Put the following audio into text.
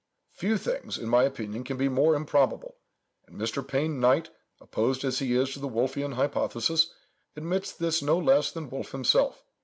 Few things, in my opinion, can be more improbable; and Mr. Payne Knight, opposed as he is to the Wolfian hypothesis, admits this no less than Wolf himself.